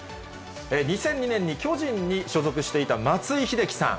２００２年に巨人に所属していた松井秀喜さん。